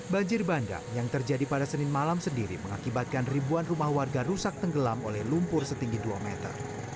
banjir bandang yang terjadi pada senin malam sendiri mengakibatkan ribuan rumah warga rusak tenggelam oleh lumpur setinggi dua meter